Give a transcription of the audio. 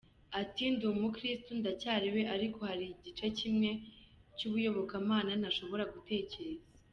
Ati “Ndi umukirisitu ndacyari we ariko hari igice kimwe cy’ubuyobokamana ntashobora gutekereza.